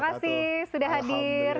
terima kasih sudah hadir